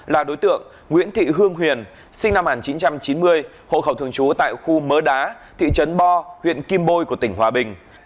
là đối tượng nguyễn thị hương huyền sinh năm một nghìn chín trăm chín mươi hộ khẩu thường trú tại khu mớ đá thị trấn bo huyện kim bôi của tỉnh hòa bình